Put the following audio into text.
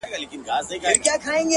د ښكلا ميري د ښكلا پر كلي شــپه تېروم ـ